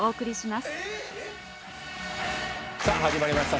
さぁ始まりました